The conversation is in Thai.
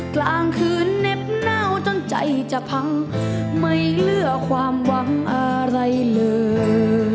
กลางคืนเน็บเน่าจนใจจะพังไม่เลือกความหวังอะไรเลย